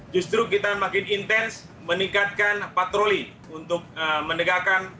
justru kita makin intens meningkatkan patroli untuk menegakkan